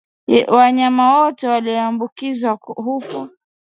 Wanyama wote walioambukizwa hufa